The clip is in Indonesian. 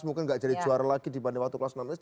mungkin nggak jadi juara lagi dibanding waktu kelas enam sd